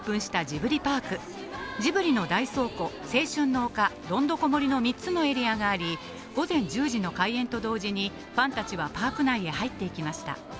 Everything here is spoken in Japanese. ジブリの大倉庫、青春の丘、どんどこ森の３つのエリアがあり、午前１０時の開園と同時に、ファンたちはパーク内へ入っていきました。